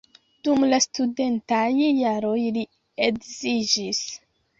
Dum la studentaj jaroj li edziĝis.